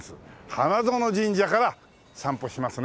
花園神社から散歩しますね。